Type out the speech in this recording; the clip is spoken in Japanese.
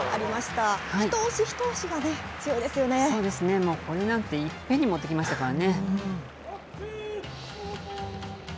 もうこれなんて、いっぺんにもっていきましたからね。